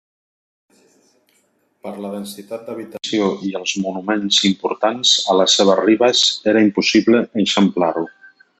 Per la densitat d'habitació i els monuments importants a les seves ribes era impossible eixamplar-lo.